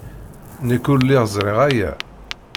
Nekk ur lliɣ ẓriɣ aya.